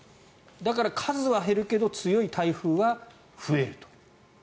だから数は減るけど強い台風は増えると。